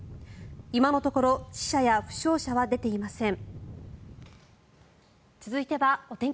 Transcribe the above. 今のところ死者や負傷者は出ていません。